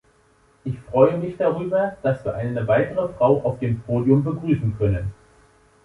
Ich freue mich darüber, dass wir eine weitere Frau auf dem Podium begrüßen können.